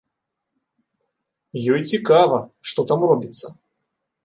Ёй цікава, што там робіцца.